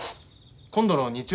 今度の日曜日。